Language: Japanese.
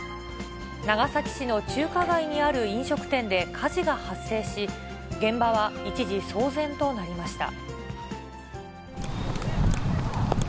長崎市の中華街にある飲食店で火事が発生し、現場は一時騒然となりました。